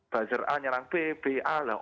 bajar a nyerang b b a lah